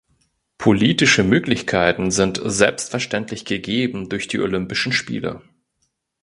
Politische Möglichkeiten sind selbstverständlich gegeben durch die Olympischen Spiele.